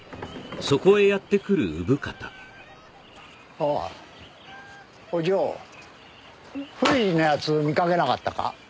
ああお嬢冬二の奴見かけなかったか？